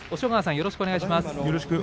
よろしくお願いします。